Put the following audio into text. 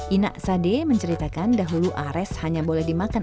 inak sade menceritakan dahulu ares hanya boleh dimakan